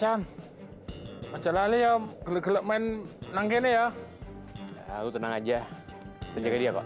yanti sebaiknya kamu pergi kamu tinggalkan aku